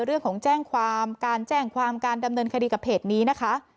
เรื่องของแจ้งความการแจ้งความการดำเนินคดีกับเพจนี้นะคะ